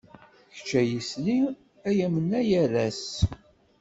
Kečč ay isli, ay amnay aras.